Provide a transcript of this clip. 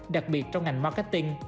đặc biệt trong ngành marketing